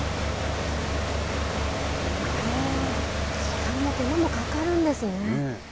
時間も手間もかかるんですね。